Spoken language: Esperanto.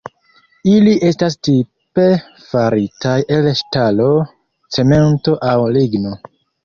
Ili estas tipe faritaj el ŝtalo, cemento aŭ ligno.